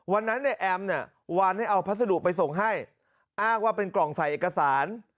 วันนั้นเนี่ยแอมเนี่ยวานให้เอาพัสดุไปส่งให้อ้างว่าเป็นกล่องใส่เอกสาร